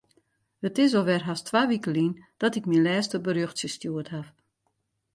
It is alwer hast twa wike lyn dat ik myn lêste berjochtsje stjoerd haw.